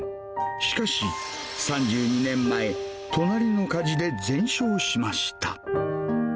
しかし３２年前、隣の火事で全焼しました。